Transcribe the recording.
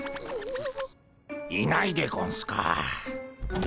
いないでゴンスか。